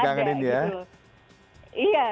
jadi kangenin ya